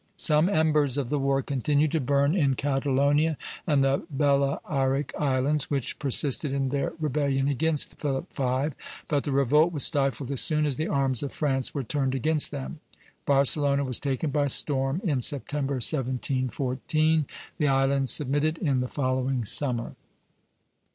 Some embers of the war continued to burn in Catalonia and the Balearic Islands, which persisted in their rebellion against Philip V.; but the revolt was stifled as soon as the arms of France were turned against them. Barcelona was taken by storm in September, 1714; the islands submitted in the following summer.